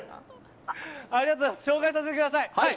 紹介させてください。